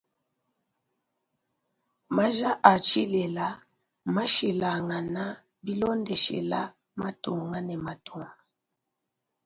Maja a tshilela mmashilangana bilondeshela matunga ne matunga.